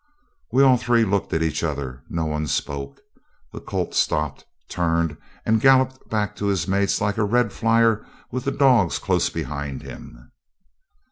We all three looked at each other. No one spoke. The colt stopped, turned, and galloped back to his mates like a red flyer with the dogs close behind him.